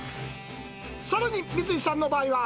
さらに三井さんの場合は。